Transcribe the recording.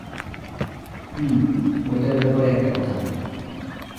হুম ঐটার ব্যাপারে একটা কথা।